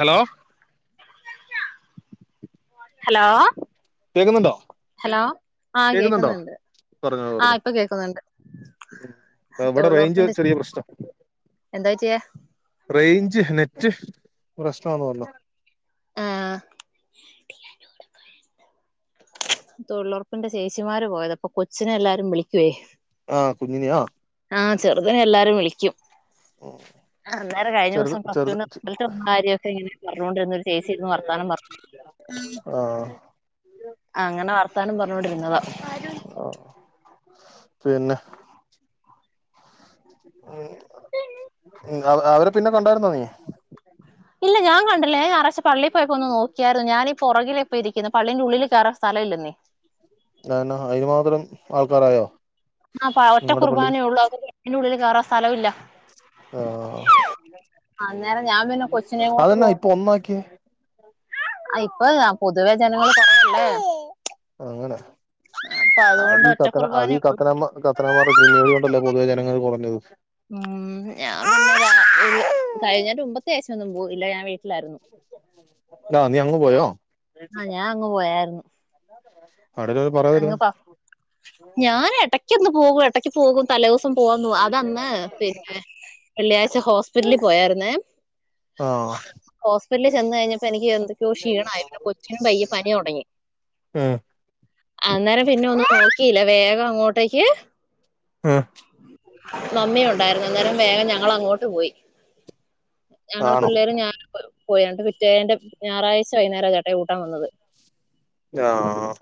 Hello hello കേക്കുന്നുണ്ടോ? Hello ആഹ് കേക്കുന്നുണ്ട്. പറഞ്ഞു ആഹ് പറഞ്ഞു ഇപ്പൊ കേക്കുന്നുണ്ട് ആ, ഇവിടെ റേഞ്ച് തൊഴിലുറപ്പിന്റെ ചെറിയ പ്രശ്നം എന്താ ഏച്ചേ റേഞ്ച് നെറ്റ് പ്രശ്നന്ന് പറഞ്ഞു ആഹ് തൊഴിലുറപ്പിന്റെ ചേച്ചിമാര് പോയത് അപ്പൊ കൊച്ചിനെ എല്ലാരും വിളിക്കുവേ ആഹ കുഞ്ഞി [unintelligible] ആഹ് ചെറുതന് എല്ലാരും വിളിക്കും ഉം ആഹ് നേര കഴിഞ്ഞ ദിവസം പാര്യൊക്കെ എങ്ങനെ പറഞ്ഞോണ്ടിരുന്നൊരു ചേച്ചിന്ന് വർത്താനംഞ്ഞു ആഹ് ആ അങ്ങനെ വർത്താനം പറഞ്ഞോണ്ടിരുന്നതാ ആഹ് പിന്നെ ഉ അവര് പിന്നെ കൊണ്ടായിരുന്നു നീ ഇല്ല ഞാൻ കണ്ടില്ല ഞാ ഞാറായ്ച്ച പള്ളി പോയിപ്പോ ഒന്ന് നോക്കിയായിരുന്നു ഞാനീഈ പുറകിലെ പ്പ ഇരിക്കുന്നു പള്ളിന്റെ ഉള്ളിൽ കയറ സ്ഥല ഇല്ലെന്നേ അന്നാ അതിന് മാത്രം ആൾക്കാരായോ ആ ഒറ്റ നിങ്ങളുടെ പള്ളി കുർബാനയേ ഉള്ളൂ അ എന്റെ ഉള്ളിൽ കേയറാ സ്ഥലമ ഇല്ല ആഹ് അന്നേരം ഞാൻ പിന്നെ കൊച്ചിനെയും കൊണ്ട് പോകുമ്പോ അമ്മക്ക് ഇപ്പല്ല പൊതുവെ ജനങ്ങൾ പറയല്ലേ അങ്ങനെ അപ്പൊ അതുകൊണ്ട് അതീ ഒറ്റ കത്തന കുർബാനേ അത ഉള്ളൂ കത്തനമ്മ ക്രമാത കൃമേഡിയോണ്ടല്ലേ പൊതുവേ ജനങ്ങൾ കുറഞ്ഞത് ഉ ഞാ [unintelligible] തൈഞെന്റെ മ്പത്യാഴച്ച ഒന്നും പോഇല്ല ഞാൻ വീട്ടിലായിരുന്നു ആഹ് നിയങ്ങു പോയോ ആഹ് ഞാൻ അങ്ങ് പോയായിരുന്നു [inaudible] പറയുന്നു അങ്ങപ്പ ഞാന എടക്കന്ന് പോകും ഇടക്ക് പോകും തലേസം പോവാന്ന് അതന്ന പിന്നെ വെള്ളിയാഴ്ച ഹോസ്പിറ്റലിൽ പോയായിരുന്നേ ആഹ് ഹോസ്പിറ്റലിൽ ചെന്ന് കഴിഞ്ഞപ്പോ എനിക്ക് എന്തൊക്കെയോ ക്ഷീണായി പിന്നെ കൊച്ചിനും പയ്യ പനി തുടങ്ങി ഉം അന്നേരം പിന്നെ ഒന്നും നോക്കിയില്ല വേഗം അങ്ങോട്ടേക്ക് ഉം മമ്മി ഉണ്ടായിരുന്നു അന്നേരം വേഗം ഞങ്ങളങ്ങോട്ട് പോയി ഞങ്ങൾ ആണോ പിള്ളേരും ഞാ പോയണ്ട് പിറ്റേന്റെ ഞായറഴ്ച വൈന്നേരം ചേട്ടെ കുട്ടാൻ വന്നത് ആഹ്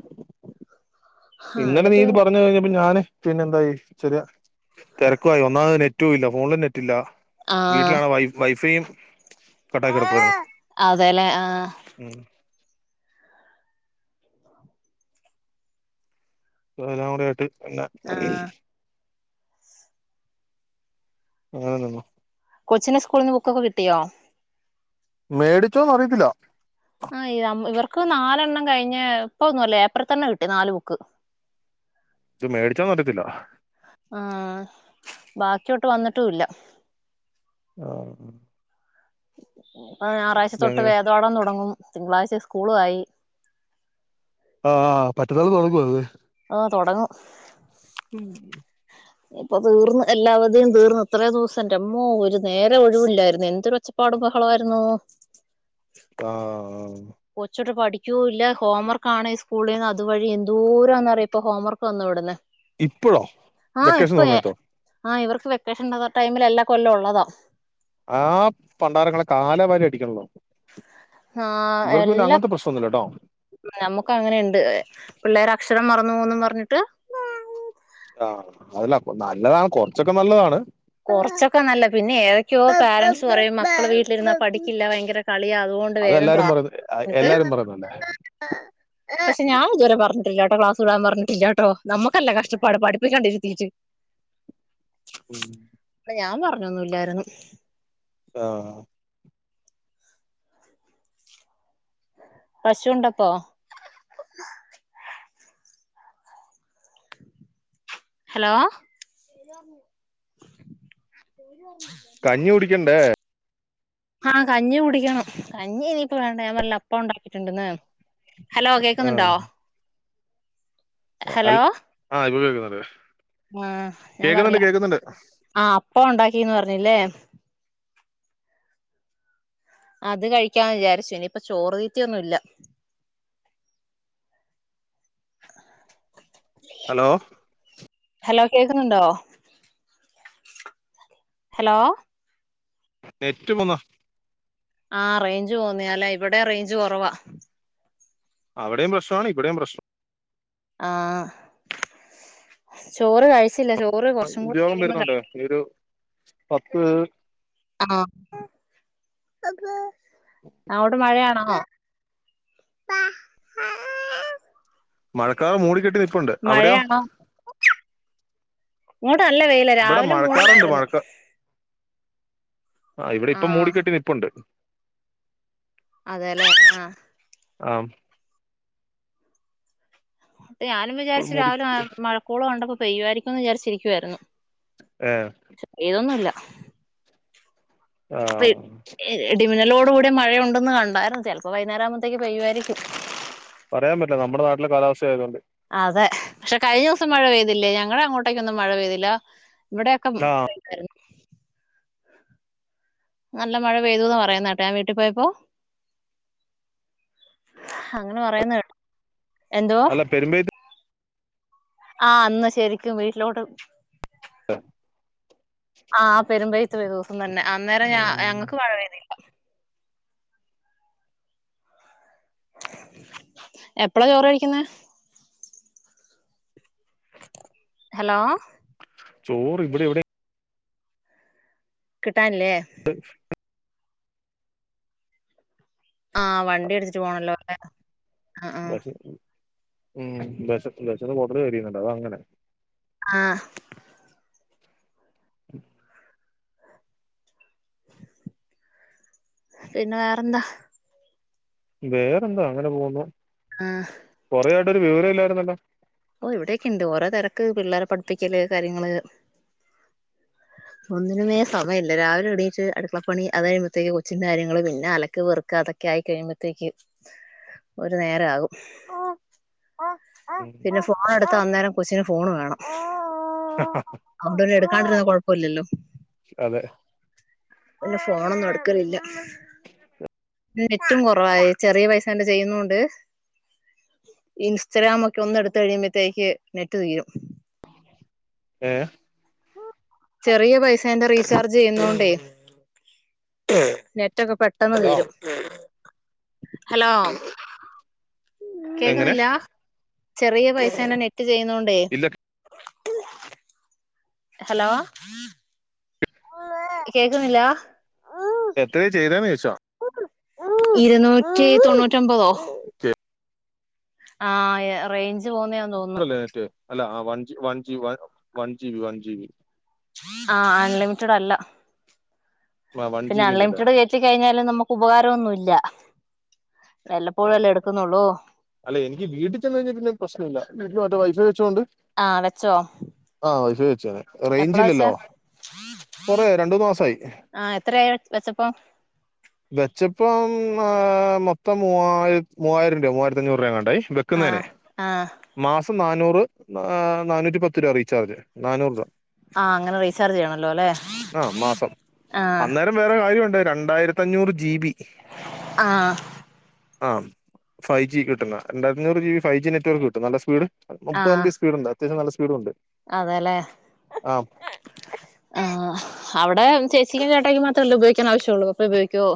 ആ ഇന്നലെ എന്നിട്ട് നീത് പറഞ്ഞഴിഞ്ഞപ്പോ ഞാന് പിന്നെന്തായി ചെറിയ തിരക്കു ആയി ഒന്നാമത് നെറ്റും ഇല്ല ഫോണില് നെറ്റില്ല ആ വീട്ടിലാണ് വൈ വൈഫൈയും കട്ടാക്കി കിടക്കോയിരുന്നു അതെല്ലേ ആഹ് ഉം എല്ലാം കൂടെ ആയിട്ട് പിന്നെ ആഹ് അങ്ങനെ നിന്നോ കൊച്ചിന് സ്കൂളിൽന്ന് ബുക്കൊക്കെ കിട്ടിയോ മേടിച്ചോന്നറിയത്തില്ല ആഹ് ഇവർക്ക് നാലെണ്ണം കഴിഞ ഇപ്പൊന്നുല്ല ഏപ്രിൽ തന്നെ കിട്ടി നാല് ബുക്ക് ത് മേടിച്ചാന്ന് പറയത്തില്ല. ആഹ് ബാക്കിയോട്ട് വന്നിട്ടുംല്ല ആഹ് ഞായറാഴ്ച തൊട്ട് ഭയങ്കര വേദവാടാൻ തുടങ്ങും തിങ്കളാഴ്ച സ്കൂള് ആയി അഹ് ആഹ് പറ്റത്താൾ തുടങ്ങുവ അത് ആഹ് തുടങ്ങും ഉം ഇപ്പൊ തീർന്ന് എല്ലാവധേയും തീർന്ന് ഇത്രേ ദിവസം ന്റമ്മോ ഒരു നേരെ ഒഴിവില്ലായിരുന്നു എന്തൊരുച്ച പാടും ബഹളമായിരുന്നു ആഹ് ആഹ് കൊച്ചോട്ട് പഠിക്കൂ ഇല്ല ഹോംവർക്ക ആണ് ഈ സ്കൂളി നിന്ന് അതുവഴി എന്തൂരംന്നറിയ ഇപ്പ ഹോംവർക്ക് വന്നു വിടുന്ന ഇപ്പോഴോ ആഹ് വെക്കേഷൻ ഇപ്പ സമയത്തോ ആഹ് ഇവർക്ക് വെക്കേഷൻ ഉണ്ട ടൈമിൽ എല്ലാ കൊല്ലം ഉള്ളതാ ആഹ് പണ്ടാരങ്ങളെ കാലവാരി അടിക്കണതോ ഇവർക്ക് പിന്നെ അങ്ങനത്തെ പ്രശ്നം ഒന്നുല്ല ട്ടോ ഞമ്മക്ക് അങ്ങനെണ്ട് പിള്ളേര് അക്ഷരം മറന്നു പോവും ന്ന് പറഞ്ഞിട്ട് ആഹ് അതല്ല നല്ലതാണ് കൊറച്ചൊക്കെ നല്ലതാണ് കുറച്ചൊക്കെ നല്ല പിന്നെ ഏതൊക്കെയോ പാരൻറ്സ് പറയും മക്കളെ വീ ട്ടിലിരുന്നാ പഠിക്കില്ല ഭയങ്കര കളിയാ അതുകൊണ്ട് വേഗം ക്ലാ അതെല്ലാരും പറയുന്നത് ട്ട് എല്ലാരും പറയുന്നല്ലേ പക്ഷെ ഞാൻ ഇതുവരെ പറഞ്ഞിട്ടില്ലാട്ടോ ക്ലാസ് വിടാൻ പറഞ്ഞിട്ടില്ലാട്ടോ. നമ്മക്കല്ല കഷ്ടപ്പാട് പഠിപ്പിക്കണ്ട്ര്തീട്ട് ഉം അപ്പൊ ഞാൻ പറഞ്ഞൊന്നുല്ലായിരുന്നു. ആഹ് പശുണ്ടപ്പോ ഹലോ കഞ്ഞി കുടിക്കണ്ടേ ആഹ് കഞ്ഞി കുടിക്കണം കഞ്ഞി ഇനിയിപ്പോ വേണ്ട ഞാൻ പറഞല്ല അപ്പ ഉണ്ടാക്കിട്ടുണ്ടന്ന്. ഹലോ ആ കേക്കുന്നുണ്ടോ? അ ഹലോ ആ്ഇപ്പൊ കേക്കുന്നുണ്ട് ആഹ് ഞാൻ കേക്കുന്നുണ്ട് പറഞ്ഞില്ലേ കേക്കുന്നുണ്ട് ആഹ് അപ്പ ഉണ്ടാക്കിന്ന് പറഞ്ഞില്ലേ അത് കഴിക്കാന്ന് വിചാരിച്ചു ഇനിയിപ്പ ചോറ് തീറ്റയൊന്നും ഇല്ല. [unintelligible] ഹലോ ഹലോ കേക്കുന്നുണ്ടോ ഹലോ നെറ്റും പോന്നോ ആ റേഞ്ച് പോവ്ന്നാ ഇവിടെ റേഞ്ച് കോറവാ അവിടെയും പ്രശ്നാണ് ഇവിടെയും പ്രശ്ം ആഹ് ചോറ് കഴിച്ചില്ല ചോറ് കുറച്ചും കൂടെ ഉദ്യോഗം കഴിയുമ്പോ വരുന്നുണ്ട് കഴിക്കൂം ഒരു പത്ത് ആ അങ്ങോട്ട് മഴയാണോ? പ പ്പാ മഴക്കാറ് മൂടിക്കെട്ടി നിപ്പുണ്ട് അവിടെയോ മഴയാണോ ഇങ്ങോട്ട് നല്ല വെയിലാ ഇവിടെ രാവിലെ മഴക്കാറുണ്ട് മൂടലായിരുന്നു ആഹ് ഇവിടെ ഇപ്പം ആഹ് മൂടിക്കെട്ടി നിപ്പുണ്ട് അതേല്ലേ ആഹ് ആം ഞാനും ഇപ്പോൾ വിചാരിച്ച് മൂടി രാവിലെ മഴക്കോള് കണ്ടപ്പോ പെയ്യുവായിരിക്കുന്നു വിചാരിച്ചിരിക്കുവായിരുന്നു ഏഹ് ഏതൊന്നുല്ല ആഹ് ഇടിമിന്നാലൊടു കൂടിയ മഴയുണ്ടന്ന് കണ്ടായിരുന്നു ചേലപ്പോ വൈകുന്നേരകുമ്പോത്തേക്ക് പെയ്യുവായിരിക്കും പറയാൻ പറ്റില്ല നമ്മുടെ നാട്ടിലെ കാലാവസ്ഥ ആയതൊണ്ട് അതെ പക്ഷെ കയ്ഞ്ഞ ദേവസം മഴ പെയ്തില്ലേ ഞങ്ങളടെ അങ്ങോട്ടേക്കൊന്നും മഴ പെയ്തില്ല ഇവിടൊക്കെ മം ആ നല്ല മഴ പെയ്തുന്ന് പറയുന്നകേട്ടെ ഞാൻ വീട്ടിൽ പോയപ്പോ അങ്ങനെ പറയുന്നേ കേട്ടു എന്തുവാ അല്ല പെരുമ്പേത്ത് ആഹ് അന്ന് ശരിക്കും വീട്ടിലോട്ട് ആഹ് ആഹ് പെരുമ്പേയ്ത്ത് പെയ്തു അന്നന്നേ അന്നേരം ഞാ ഉം ഞങ്ങക്ക് മഴ പെയ്തില്ല എപ്പളാ ചോറ് കഴിക്കുന്നേ ഹലോ ചോറ് ഇവിടെ എവിടെ കിട്ടാല്ലേ ശ [inaudible] ആഹ് വണ്ടി എടുത്തിട്ട് പോണോല്ലോലല്ലേ ആഹ് ബശ ഉം ബശക്ക് ബശന്ന്‌ കൊടല് കരിയുന്നുണ്ട് അതാ അങ്ങനെ ആഹ് ഉം [inaudible] പിന്നെ വേറെന്താ വേറെന്താ അങ്ങനെ പോവുന്നു ആഹ് കൊറെയായിട്ട് ഒരു വിവരോല്ലായിരുന്നല്ലോ? ഓഹ് ഇവിടെക്കെണ്ട് ഓരോ തെരക്ക് പിള്ളേരെ പഠിപ്പിക്കല് കാര്യങ്ങള് ഒന്നിനുമേ സമയല്ല രാവിലെ എണീറ്റ് അടുക്കളപ്പണി അത് കഴിയുമ്പഴത്തേക്ക് കൊച്ചിന്റെ കാര്യങ്ങള് പിന്നെ അലക്ക് പെറ് ക്കതൊക്കെ ആയി കഴിയുമ്പത്തേക്ക് ഒരു നേരാകും ഉം പിന്നെ ഫോണെടുത്താ അന്നേരം കൊച്ചിന് ഫോണ് വേണം ആഹ് ആഹ് ആഹ് അതുകൊണ്ട് പിന്നെ എടുക്കാണ്ടിരുന്നാ കൊഴപ്പ ഇല്ലല്ലോ അതെ പിന്നെ ഫോണൊന്നും എടുക്കലില്ലാ ഉ [unintelligible] പിന്നെ നെറ്റും കൊറവാ ഈ ചെറിയ പൈസേൻ്റെ ചെയ്യുന്നോണ്ട് ഇൻസ്റ്റഗ്രാം ഒക്കെ ഒന്ന് എടുത്ത് കഴിയുമ്പോഴത്തേക്ക് നെറ്റ് തീരും ഏഹ് ചെറിയ പൈസേന്റെ റീച്ചാർജ് ചെയ്യുന്നോണ്ടേ നെറ്റ് റ്റൊക്കെ പെട്ടെന്ന് ഹലോ തീരും ഹലോ എങ്ങനെ കേക്കുന്നില്ലാ ചെറിയ പൈസേന്റെ നെറ്റ് ചെയ്യുന്നോണ്ടേ ഇല്ല ഹലോ കേക്കുന്നില്ലാ എത്രയാ ചെയ്തേന്നു ചോദിച്ചാ ഇരുന്നൂറ്റി തൊണ്ണൂറ്റൊമ്പതോ [unintelligible] ആഹ് ഏ റേയ്ഞ്ച് പോവ്ന്നയാ ണ്ടല്ലേ നെറ്റ് അല്ല ആഹ് one G one G one G B one G B ആഹ് അൺലിമിറ്റഡ് അല്ല ആ വൺ ജി പിന്നെ ബിന്റെ അല്ലേ അൺലിമിറ്റഡ് കേറ്റി കഴിഞ്ഞാലും നമ്മക്ക് ഉപകാരൊന്നുല്ല വല്ലപ്പോഴും ആ അല്ലേ ക്ക്ന്നൊള്ളൂ അല്ല എനിക്ക് വീട്ടി ചെന്ന് കഴിഞ്ഞാ പിന്നെ പ്രശ്നല്ല വീട്ടിൽ മറ്റേ വൈ ഫൈ വെച്ചോണ്ട് ആഹ് വെച്ചോ ആഹ് വൈ ഫൈ വെച്ച് ഞാന് എപ്പളാ വെച്ചേ റേയ്ഞ്ചില്ലല്ലോ കൊറെ രണ്ടൂന്ന് മാസായി. ആഹ് എത്രയായി വെച്ചപ്പം വെച്ചപ്പം ആഹ് മൊത്തം മൂവായിരത് മൂവായിരം രൂപ മൂവായിരത്തി അഞ്ഞൂറ് രൂപ എങ്ങാണ്ടായി വെക്ക് വെക്കുന്നേന് ആഹ് ആഹ് മാസം നാന്നൂറ് ഏഹ് നാനൂറ്റി പത്ത് രൂപ റീചാർജ് നാനൂറ് രൂപാ ആഹ് അങ്ങനെ റീചാർജ് ചെയ്യണല്ലോ ല്ലേ ആ മാസം ആഹ് അന്നേരം വേറെ കാര്യോണ്ട് രണ്ടായിരത്തി അഞ്ഞൂറ് ജി ബി ആഹ് ആഹ് ഫൈവ് ജി കിട്ട്ന്നാ രണ്ടായിരത്തഞ്ഞൂറ് G B five G network കിട്ടും നല്ല സ്പീഡ് മുപ്പത് എം ആഹ് ബി സ്പീഡ്ണ്ട് അത്യാവശ്യം നല്ല സ്പീഡ്ണ്ട് അതെല്ലേ ആഹ് അവടെ ചേച്ചിക്കും ചേട്ടായ്ക്കും മാത്രല്ലേ ഉപയോഗിക്കാൻ ആവശ്യള്ളൂ പപ്പേ ഉപയോഗിക്കോ?